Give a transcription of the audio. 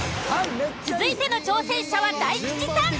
続いての挑戦者は大吉さん。